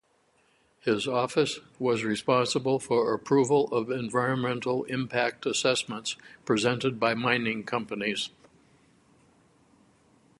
His office was responsible for approval of Environmental Impact Assessments presented by mining companies.